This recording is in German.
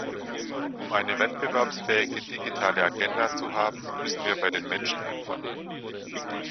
Um eine wettbewerbsfähige digitale Agenda zu haben, müssen wir bei den Menschen anfangen.